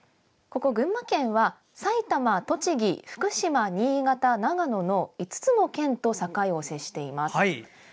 ここ群馬県は埼玉、栃木、福島新潟、長野の５つの県と境を接しています。